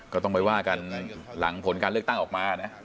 ก็ต้องไปว่ากันหลังผลการเลือกตั้งออกมานะ